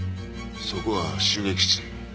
そこが襲撃地点？